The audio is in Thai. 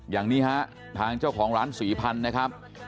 อย่างนี้ฮะทางเจ้าของร้านศรีพันธุ์นะครับ